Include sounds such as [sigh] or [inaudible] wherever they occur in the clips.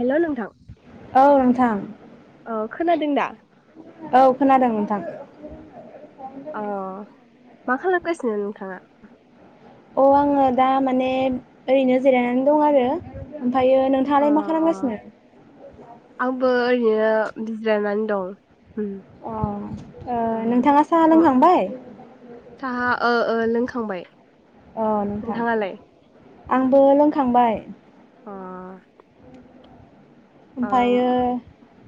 Hello नोंथां। औ नोंथां। अ खोनादों दा? औ खोनादों नोंथां। अ [unintelligible] मा खालामगासिनो नोंथाङा? अ आंङो दा माने ओरैनो जिरायनानै दं आरो ओमफ्रायो अ नोंथांङालाय मा खालामगासिनो? आंबो ओरैनो बिजिरायनानै दं उम अ ओ नोंथांङा साहा उम लोंखांबाय? साहा ओ ओ लोंखांबाय अ नोंथां नोंथाङालाय आंबो लोंखांबाय आ ओमफायो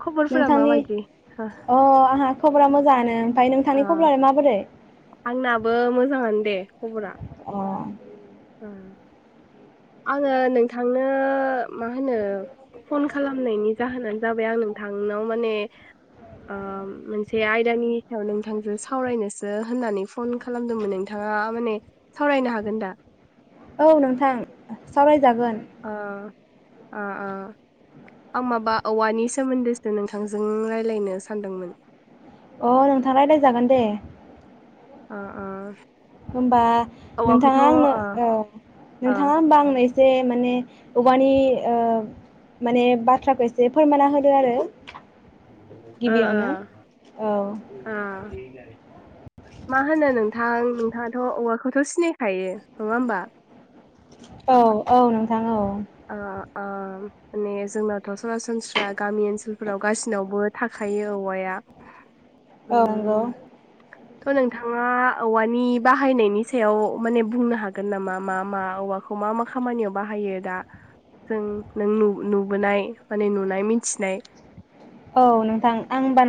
खबरफोरा नोंथांनि माबायदि हो अ आंहा खबरा मोजांआनो ओमफाय अ नोंथांनि खबर आलाय माबोरै? आंनाबो मोजांङानो दे खबरा आ ओं आंङो नोंथांनो मा होनो फन खालामनायनि जाहोनानो जाबाय आं नों थांनाव माने ओ मोनसे आयदानि सायाव नोंथांजों सावरायनोसो होननानै फन खालामदोंमोन नोंथांङा माने सावरायनो हागोन दा? औ नोंथां सावराय ओ ओ ओ आं माबा औवानि सोमोन्दैसो नोंथांजों रायलायनो सानदोंमोन। अ नोंथां रायलायजागोन दे। ओ ओ होनबा औवाखौथ' नोंथाङा ओ आंनो ओ औ नोंथाङा होमबा आंनो एसे माने औवानि ओ माने बाथ्राखो एसे फोरमायना होदो आरो ओ ओ गिबियावनो औ ओ मा होनो नोंथां? नोंथांङाथ' औवाखौथ' सिनायखायो। नङा होमबा? औ औ नोंथां औ। ओ ओ माने जोंनाथ' सरासनस्रा गामि ओनसोलफोराव गासैनावबो थाखायो औवाया। औ नंगौ। उम थ' नोंथांङा औवानि बाहायनायनि सायाव माने बुंनो हागोन नामा? मा मा औवाखौ मा मा खामानियाव बाहायो दा? जों नों नु -नुबोनाय माने नुनाय मिथिनाय औ नोंथां आं ओमबा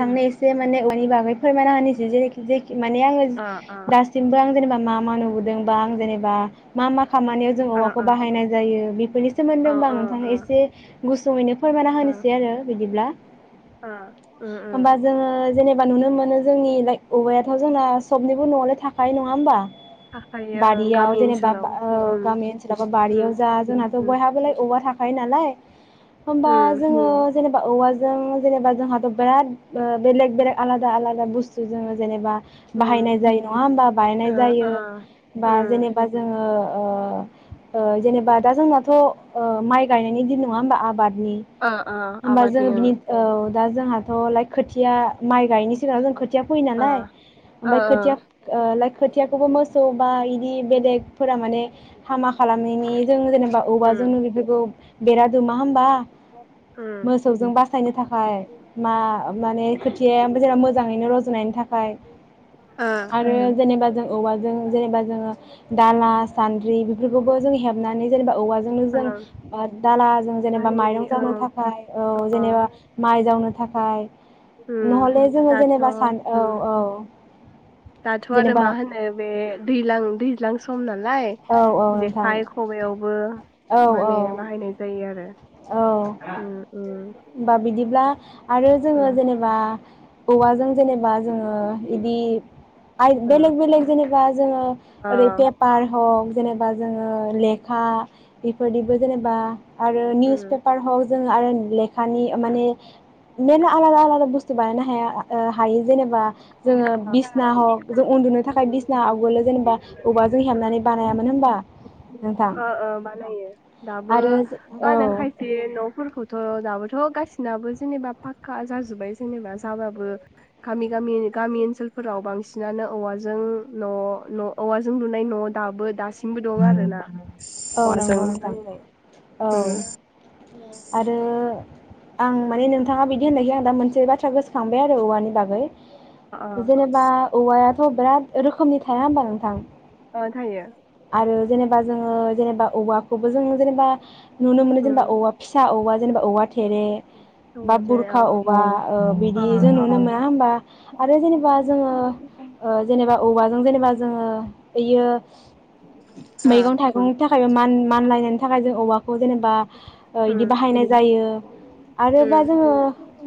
ओ एसे माने औवा नि बागै फोरमायना होनोसै जेरैखि जेखि माने आंङो ओ दासिमबो आं जेनेबा मा मा नुबोदों बा आं जेनेबा मा मा खामानियाव जों ओ औवाखौ ओ बाहायनाय जायो बेफोरनि सोमोन्दै औ होमबा आं नोंथांनो एसे गुसुंयैनो फोरमायना होनोसै आरो बिदिब्ला ओ ओ ओ होमबा जोङो जेनेबा नुनो मोनो। जोंनि लाइक औवाया थ' जोंना सबनिबो न'आवनो थाखायो। नङा होमबा? थाखायो बारियाव गामि जेनेबा ओनसोलाव औ उम गामि ओनसोलावबा बारियाव उम जा जोंहाथ' उम बयहाबोलाय औवा था थाखायो नालाय होमबा उम जोङो जेनबा औवाजों जेनेबा जोंहाथ बिराद ओ बेलेग बेलेग आलादा आलादा बुस्थु जोङो जेनेबा उम बाहायनाय जायो नङा होमबा बानायनाय ओ ओ जायो बा उम जेनेबा जोङो ओ ओ जेनेब बा दा जोंनाथ ओ माइ गायनायनि दिन नङा होमबा आबाद ओ ओ होमबा आबादनि जोङो ओं बिनि औ दा जोंहाथ लाइक खोथिया माइ गायनि सिगाङ जों खो थिया फैयो ओ नालाय ओ ओमफाय ओ खोथिया लाइक खोथियाखौबो मोसौ बा इदि बेलेगफोरा माने हामा खालामनायनि जों जेनेबा उम औवाजोंनो बेफोरखौ बेराद गोमा होमबा उम मोसौजों बासायनो थाखाय मा माने खोथिया जेने मो जाङैनो रजनायनि था खाय ओ आरो जेनेबा जों औवाजों जेनेबा जोंङो दाला सान्द्रि बेफोरखौबो जों हेबनानै जेनेबा औवा नो जों ओ दाला जों जेनेबा बानायनाय माइरं ओ जावनो था फाय औ अ जेनेबा माइ जावनो थाखाय उम नहले जोङो दाथ' जेनेबा सान औ उम औ दाथ' आरो जेनेबा मा होनो बे दैज्लां दैज्लां सम ना लाय औ औ नोंथां जेखाइ खबाइयावबो औ औ माने बाहायनाय जायो आरो औ उम उम उम बा बिदिब्ला आरो जोङो जेनेबा औवाजों जेनेबा जोङो बिदि आइ उम बेलेग बेलेग जेनेबा जोङो ओ ओरै पेपार हक जेनेबा जोङो लेखा बेफोरनिबो जेनेबा आरो निउस उम पेपार हक जों आरो ब्लेक थानि ओ माने मेरला आलादा आलादा बुस्थु बानायनो हाया ओ हायो जेनेबा ओ जोङो बिसना हक जों उन्दुनो थाखाय बिसना आवगोलो जेनेबा औवाजों हेबनानै बानायामोन होनबा नोंथां ओ बानायो दाबो आरो मा औ होनो खायसे न'फोरखौथ' दाबो थ' गासिनाबो जेनेबा फाखका जाजोबबाय जेनेबा जाबाबो गामि गामि गामि ओनसोलफोराव बांसिनानो औवाजों न' न' औवाजों लुनाय न' दाबो दासिमबो दं आरोना। औ औवाजों नोंगौ नोंथां बानायनाय औ उम आरो आं माने नोंथाङा बि दि होननायखाय मोनसे बा थ्रा गोसोखांबाय आरो औवानि बागै अ जेनेबा औवाया थ' बिराद रोखोमनि थाया होनबा नोंथां। अ थायो आरो जेनेबा जोङो बा औवाखौबो जों जेनेबा नुनो मोनो जेनेबा उम औवा फिसा औवा जेनेबा औवा थेरे बा औवाजों औ बुरखा औवा ओ बिदि जों अ नुनो मोना होनबा आरो जेनेबा जोङो ओ जेनेबा औवाजों जेनेबा ओ ओयो [unintelligible] थाखायबो मान मानलायनायनि थाखाय जों औवा खौ जेनेबा इदि उम बाहायनाय जायो आरोबा उम जोङो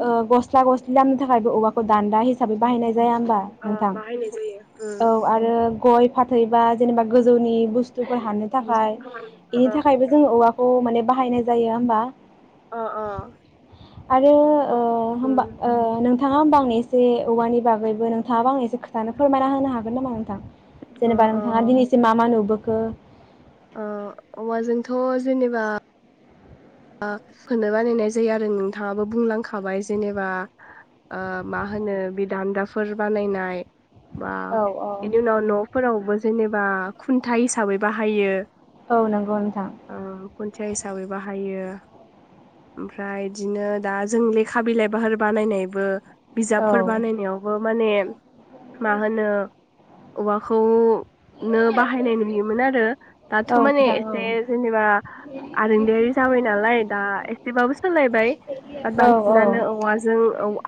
ओ गस्ला गसलि लामनो थाखायबो औवाखौ दान्दा हिसाबै बाहायनाय जाया होमबा ओ नोंथां बाहायनाय जायो औ उम आरो गय फाथैबा जेनेबा गोजौनि बुस्थुफोर हान ओमफ्राय इनि थाखायबो जोङो औवाखौ माने बाहायनाय जाया होनबा अ आरो ओ उम होनबा नों थाङा होनबा आंनि जे औवानि बागैबो नोंथाङाबो आंनो एसे खोथानो फोरमायना होनो हागोन नामा नों? थां अ जेनेबा नोंथाङा दिनैसिम मा मा नुबो [inaudible] ओ औवाजोंथ' जेनेबा ओ होनो बानायनाय जायो आरो नोंथाङाबो बुंलांखाबाय जेनेबा ओ मा होनो बे दान्दाफोर बानायनाय बा औ औ बेनि उनाव न'फोरावबो जेनेबा खुन्था हिसाबै बाहायो औ नोंगौ नोंथां। ओ खुन्थिया हिसाबै बाहा यो ओमफ्राय इदिनो दा जों लेखा बिलाइफोर बानायनायबो औ बिजाबफोर बानायनायावबो माने मा होनो औवाखौ नो बाहायनाय नुयोमोन आरो दाथ' माने नोंथां औ एसे जेनेबा आरेनले जाबाय नालाय दा एसेबाबो सोलायबाय बात औ औ बांसिनानो औवाजों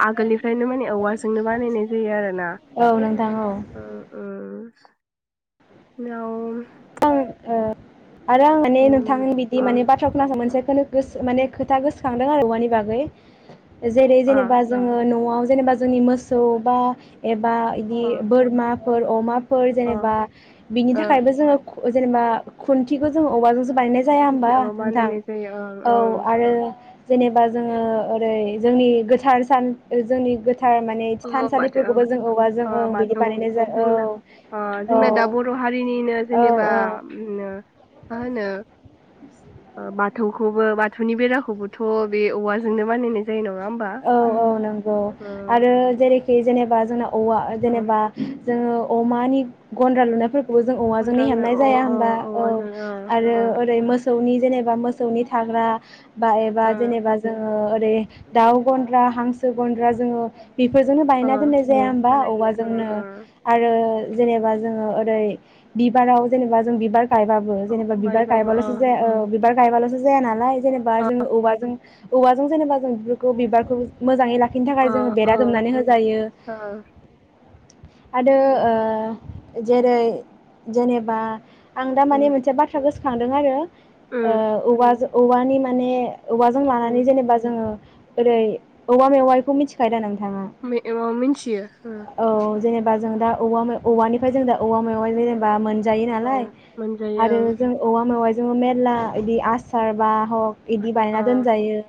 आगोलनिफ्रायनो माने औवाजोंनो बानायनाय जायो आरो ना। औ नोंथां औ [unintelligible] नम [unintelligible] आरो आं माने नोंथां उम बिदि अ माने बाथ्रा खोनासं मोनसे खोन गोसो माने खोथा गोसोखांदों आरो औवानि बागै जेरै अ जेनेबा जोङो नआव जेनेबा जोंनि मोसौ बा एब बा बिदि अ बोरमा फोर अमा फोर अ जेनेबा ओ बिनि थाखायबो जोङो जेनेबा खुथिखौ जों अमा जों बानायनाय जाया मोनथि होमबा अ नोंथां बानायनाय जायो ओं औ आरो जेनेबा जोङो ओरै जोंनि गोथार सान जोंनि गो थार माने ओं अ माथो थानसालिफोरखौबो जों औवााजों ओ ओं बिदि बाथौ बानायनाय जायो जोंना ओ औ जोंना दा बर' हारिनिनो औ। जेनेबा औ [unintelligible] मा होनो बाथौखौबो बाथौनि बेराखौबोथ बे औवाजोंनो बानायनाय जायो नामा औ औ नोंगौ आरो जेरैखि जेनेबा जोंना औवा जेनेबा जोङो अमानि गन्द्रा लुनायफोरख बो जों औवाजोंनो खनद्रानो हेबनाय अ जाया अ होनबा औ औवाजों ओ आरो ओ ओरै मोसौनि जेनेबा मोसौनि थाग्रा बा एबा ओ जेनेबा जोङो ओरै दाउ गन्द्रा हांसो गन्द्रा जोङो बेफोरजोंनो ओ बानायना दोननाय जाया होमबा बानायो ओ औवाजोंनो ओ आरो जेनेबा जोङो ओरै बिबाराव जेनेबा जों बिबार गायबाबो जेनेबा बिबार ओमफ्रायबाबो ओ गायबालथ जाया, बिबार गायबालथ जाया नालाय जेनेबा ओ जों औवाजों औवाजों जेनेबा जों खौ बिबारखौ मोजाङै लाखि बेनि थाखाय ओ जोङो ओ बेरा दुमनानै होजायो। ओ आरो उम ओ जेरै, जेनेबा आं दा माने उम मोनसे बाथ्राखौ गोसो सानदों आरो ओ उम औवाजो औवानि माने औवाजों उम लानानै जेनेबा जोङो ओरै औवा मेवायखौ मिथिखायो दा नोंथ [unintelligible] मिनथियो औ जेनेबा जों दा औवा मे औवानिफ्राय जों दा औवा मेवाय जेनेबा मोन जायो औ नालाय मोनजायो आरो जों औवा मेवाय जोङो मेरला इदि आसार बा [unintelligible] इदि ओं बायना ओ दोनजायो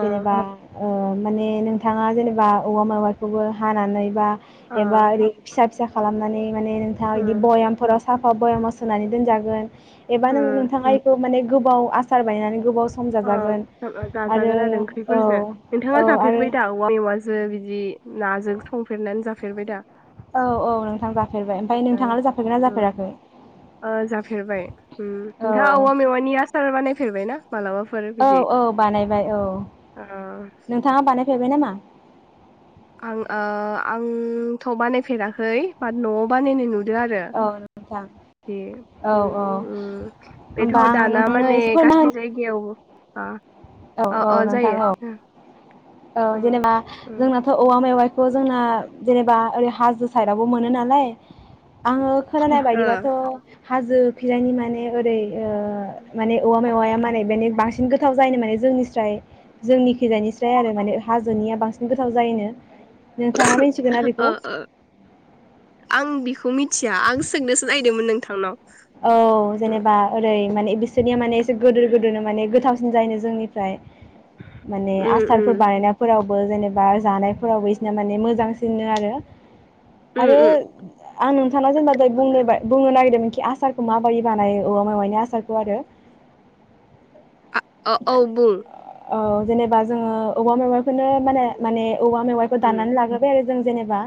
जेनेबा अ माने नोंथाङा जेनेबा औवा मेवायखौबो हानानै बा ओ एबा ओरै फिसा फिसा खालामनानै माने नोंथाङा इदि उम बयामफोराव [unintelligible] साफा बयामाव सोनानै दोनजागोन। एबा नों उम नोंथाङा एखौ माने गोबाव आसार बायनानै गोबावस सम ओं जाजागोन जा- आरो जाजागोन औ ओंख्रिफोरजों नोंथाङा औ आरो जाफेरबाय दा औवा मेवाजो बिदि नाजों संफेरनानै जाफेरबाय दा? औ औ नोंथां जाफेरबाय ओमफाय नोंथाङालाय जाफेरबायना उम, जाफेराखै ओ जाफेरबाय औ फेरबाय ना? मालाबाफोर औ बिदि औ बानायबाय औ ओ नोंथाङा बानायफेरबाय नामा? [inaudible] आं ओ आं थ' बानायफेराखै बाट न'आव बानायनाय नुद आरो औ नोंथां दि औ उ उम बेथ' होमबा आं दाना नोंथांनो माने एसे गा अ [unintelligible] फोरमाय औ अ औ अ नोंथां जायो औ उम औ उम जेनेबा उम जोंनाथ थ' औवा मेवाइखौ जोंना जेनेबा ओरै हाजो साइदआवबो मोनो नालाय आङो खोनानाय ओ बायदिबाथ' हाजो [unintelligible] नि माने ओरै ओ माने औवा मेवाया माने बेनि बांसिन गोथाव जायनो माने जोंनि स्राय जोंनि खैजानि स्राय ओमफ्राय आरो माने हाजोनिया बांसिन गोथाव जायोनो नोंथांङा मिथिगौना बेखौ ओ ओ आं बेखौ मिथिया आं सोंनोसो नायदोंमोन नोंथांनाव औ उम जेनेबा ओरै माने बिसोरनिया माने एसे गोदोर गोदोरनो माने गोथावसिन जायो जोंनिफ्राय माने आसारफोर उम बानायनायफोरावबो जेनेबा जानायफोरावबो बिसिरना माने मोजांसि बिदिनो आरो उम आरो उम आं नोंथाङा जेनेबा दहाय बुंनो बुंनो नागिरदों आ आसारखौ माबायदि बानायो औवा मेवाइनि आसारखौ आरो आ औ बुं औ जेनेबा जोंङो औवा मेवाखौनो माने माने औवा मेवाइखौ उम दनानै लाग्रोबाय आरो जों जेनेबा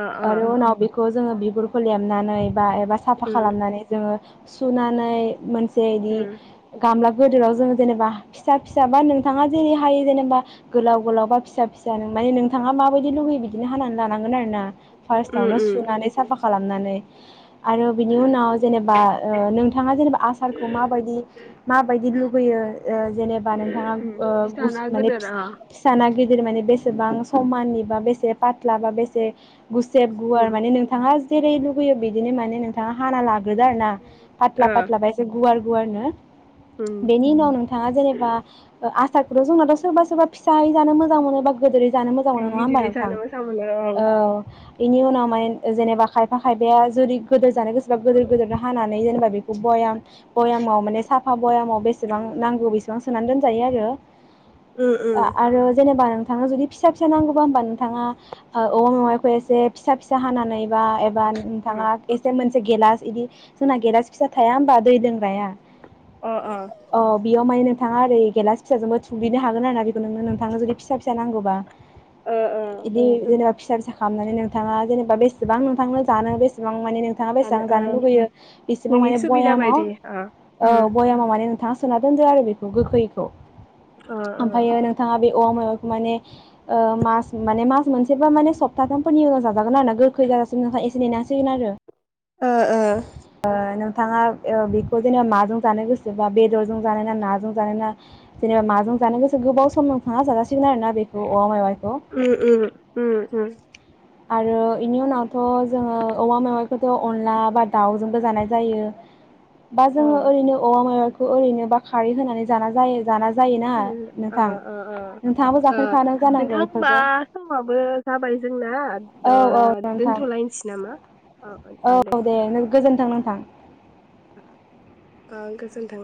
अ अ आरो उनाव बेखौ जों बिगुरखौ लेमनानै बा एबा सा फा उम खालामनानै जोंङो सुनानै मोनसे इदि उम गामला गोदोराव जोङो जेनेबा फिसा फिसा बा नोंथाङा जेरै हायो जेनेबा गोलाव गोलाव बा फिसा फिसा माने नोंथाङा माबायदि लुगैयो बिदिनो हानानै लानांगोन आरो ना उम फार्स्टावनो उम सुनानै साफा खालामनानै आरो बिनि उनाव जेनेबा ओ नोंथाङा जेनेबा आसारखौ माबायदि माबायदि लुुबैयो ओ जेनेबा नोंथाङा उम ओ फिसा ना माने गोदोर अ ओ फिसा ना गि गिदिर माने बेसेबां समाननि बा बेसे फाथ्ला बा बेसे गुसेब उम गुवार माने नोंथाङा जेरै लुगैयो बिदिनो माने नों हानालाग गोज आरोना पातला ओ पातलाबा एसे गुवार गुवारनो उम बेनि उनाव नोंथाङा जेनेबा ओ आस सारखौथ' जोंङो थ' सोबा सोबा फिसायै जानो मोजां मोनो बा गोदोरै जानो मोजां गि मोनो नङा होमबा गिदिरै नोंथां जानो मोजां मोनो औ बेनि उनाव माने जेनेबा खायफा खायफाया जुदि गोदोस जानो गोस सोरबा गोदोर गोदोरनो हानानै नै जेनेबा बेखौ बयाम बयामाव माने साफा बयामाव बेसेबां नांगौ बेसेबां सोनानै दोन जायो आरो उम उम आ आरो जेनेबां थाङा जुदि फिसा फिसा नांगौबा होमबा नोंथाङा ओ औवा मेवाइखो एसे फिसा फिसा हानानै बा एबा उम नोंथाङा इज मोनसे गेलास इदि जोंना गेलास फिसा थाया होमबा दै लोंग्राया अ अ ओमाय नोंथाङा ओरै गेलास फिसाजों थुग्लिनो हागोन आरो ना बेखौ नोंनो नोंथांनो जुदि फिसा फिसा नांगौबा ओ ओ इदि जेनेबा फिसा फिसा खामनानै नोंथाङा जेनेबा बेसेबां नोंथांनो जानो बेसेबां माने नों थाङा बेसां सानो ओ जानो लुुबैयो बेसेबां नोंनि माने सुबिदा बयामाव बायदि अ औ उम बयामाव माने नोंथा सोना दोनदो आरो बेखौ गोखैखौ अ ओ ओमफायो नोंथाङा बे औ मेवाइखो माने ओ मास माने मास मोनसेबा माने सप्ताथामफोरनि उनाव जाज जागोनना ना गोखै जाजासिम नोहा एसे नेनो हास सिन आरो ओ ओ थाङा ओ बेखौ जेनेबा माजों जानो गोसोबा बेदरजों जानो ना नाजों जानो ना जेनेबा माजों जानो गोसो गोबाव सम नोंथाङा जाजासि सिगोन आरोना बेखौ औवा मेवाइखौ उम उम उम उम आरो इनि उनावथ' जोङो औवा मेवाइख खोथ' अनला बा दाउजोंबो जानाय जायो। बा जोङो ओं ओरैनो औवा मेवाइख खौ ओरैनो बा खारै होनानै जाना जायो। जाना जायोना खानो ओ नोंथां ओ ओ नोंथाङाबो ओ जाफेरखादों जानांगौ नोंथां ओमबा बेफोरखौ समाबो जाबाय जोंना औ ओ औ नोंथां दोनथ'लायसै नामा ओ ओ ओ औ दे उम गोजोन्थों नोंथां ओ गोजोनथों।